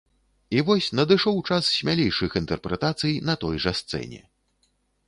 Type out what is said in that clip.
І вось надышоў час смялейшых інтэрпрэтацый на той жа сцэне.